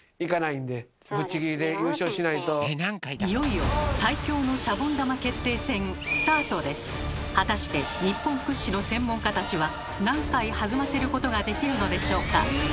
いよいよ果たして日本屈指の専門家たちは何回弾ませることができるのでしょうか。